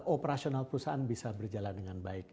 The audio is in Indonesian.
operasional perusahaan bisa berjalan dengan baik